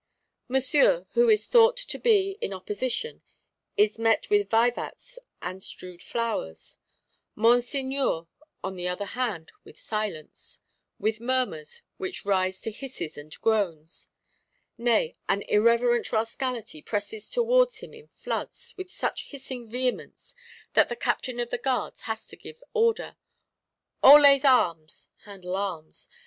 Monsieur, who is thought to be in opposition, is met with vivats and strewed flowers; Monseigneur, on the other hand, with silence; with murmurs, which rise to hisses and groans; nay, an irreverent Rascality presses towards him in floods, with such hissing vehemence, that the Captain of the Guards has to give order, 'Haut les armes (Handle arms)!